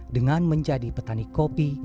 dengan menjadi petani kopi